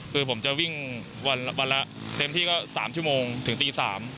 คือผมจะวิ่งวันละเต็มที่ก็๓ชั่วโมงถึงตี๓